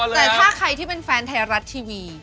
แต่ถ้าใครที่เป็นแฟนไทยรัฐทีวี